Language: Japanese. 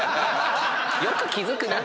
よく気付くな。